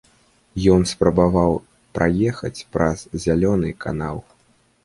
Ён спрабаваў праехаць праз зялёны канал.